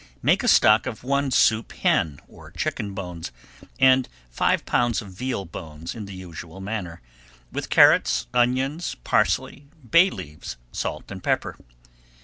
Make a stock of one soup hen or chicken bones, and five pounds of veal bones in the usual manner, with carrots, onions, parsley, bay leaves, salt and pepper.